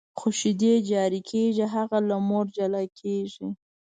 خو شیدې جاري کېږي، هغه له مور جلا کېږي.